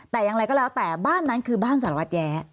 แต่อย่างไรก็แล้วแต่บ้านนั้นคือบ้านสารวัตรแย้